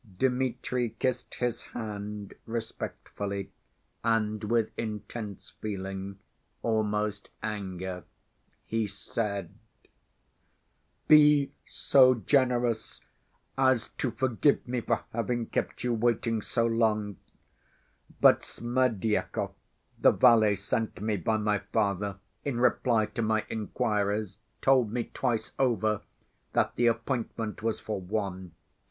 Dmitri kissed his hand respectfully, and with intense feeling, almost anger, he said: "Be so generous as to forgive me for having kept you waiting so long, but Smerdyakov, the valet sent me by my father, in reply to my inquiries, told me twice over that the appointment was for one.